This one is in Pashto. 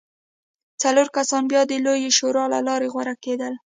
څلور کسان بیا د لویې شورا له لارې غوره کېدل